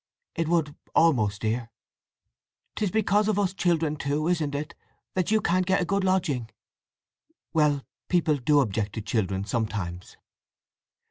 "It would almost, dear." "'Tis because of us children, too, isn't it, that you can't get a good lodging?" "Well—people do object to children sometimes."